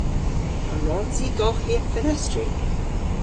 A wrons i golghi an fenestri?